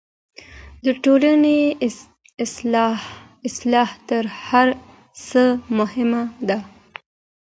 د ټولني اصلاح تر هر څه مهمه ده.